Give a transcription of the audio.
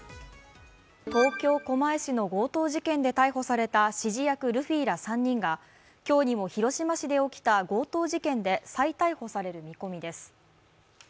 東京・狛江市の強盗事件で逮捕された指示役・ルフィら３人は今日にも広島市で起きた強盗事件で再逮捕される見込みです。